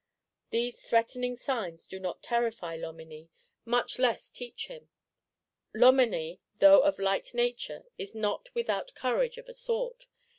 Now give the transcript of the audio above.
These threatening signs do not terrify Loménie, much less teach him. Loménie, though of light nature, is not without courage, of a sort.